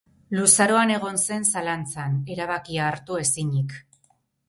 Luzaroan egon zen, zalantzan, erabakia hartu ezinik.